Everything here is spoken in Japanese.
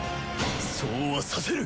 そうはさせぬ！